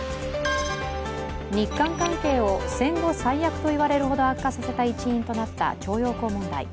日韓関係を戦後最悪といわれるほど悪化させた一因となった徴用工問題。